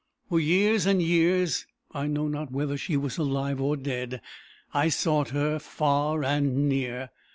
For years and years I know not whether she was alive or dead. I sought her far and near.